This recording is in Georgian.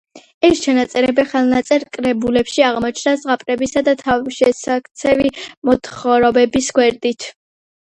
ეს ჩანაწერები ხელნაწერ კრებულებში აღმოჩნდა ზღაპრებისა და თავშესაქცევი მოთხრობების გვერდით.